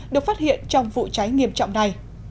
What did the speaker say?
được phát hiện trong vụ cháy nghiêm trọng này